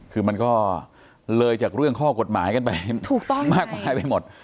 คือมันก็เลยจากเรื่องข้อกฎหมายกันไปถูกต้องมากมายไปหมด